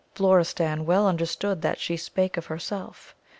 Florestan well understood that she spake of herself.